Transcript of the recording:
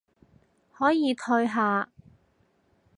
可以退下